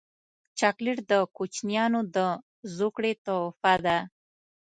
چاکلېټ د کوچنیانو د زوکړې تحفه ده.